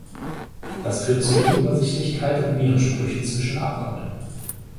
Das führt zu Unübersichtlichkeit und Widersprüchen zwischen Abkommen.